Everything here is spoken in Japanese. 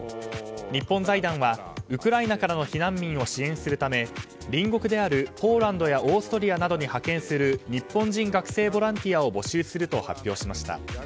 日本財団はウクライナからの避難民を支援するため隣国であるポーランドやオーストリアなどに派遣する日本人学生ボランティアを募集すると発表しました。